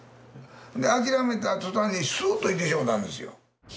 で諦めた途端にスーッといってしまったんですよ。